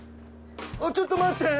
ちょっと待って！